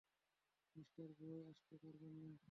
Mister Roy আসতে পারবেন না।